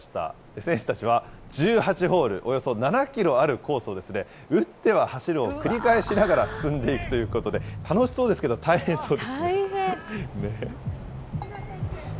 選手たちは１８ホール、およそ７キロあるコースを打っては走るを繰り返しながら進んでいくということで、楽しそうですけど、大変そうです。ねぇ。